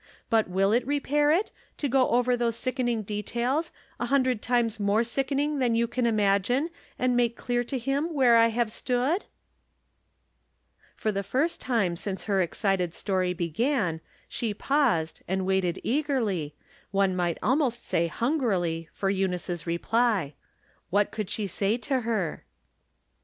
But will it repair it, to go over those sickening details, a hundred times more sickening than you can imagine, and make clear to him where I have stood ?" From Different Standpoints. 337 For the first time since her excited story began she paused, and waited eagerly, one might al most say hungrily, for Eunice's reply. What could she say to her